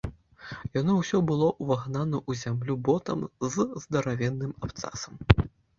Яно ўсё было ўвагнана ў зямлю ботам з здаравенным абцасам.